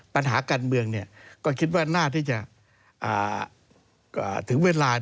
ปัญหาการเมืองก็คิดว่าหน้าที่จะถึงเวลา